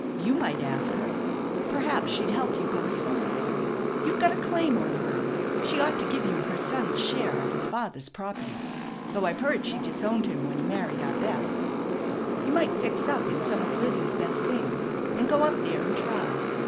You might ask her. Perhaps she'd help you go to school. You've got a claim on her. She ought to give you her son's share of his father's property, though I've heard she disowned him when he married our Bess. You might fix up in some of Lizzie's best things, and go up there and try.